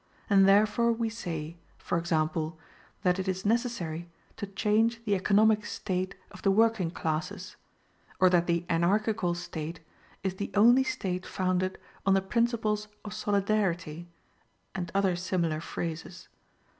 and therefore we say, for example, that it is necessary to change the economic state of the working classes, or that the Anarchical state is the only state founded on the principles of solidarity, and other similar phrases.